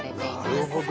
なるほど！